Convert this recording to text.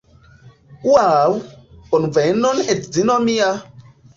Ŭaŭ! Bonvenon edzo mia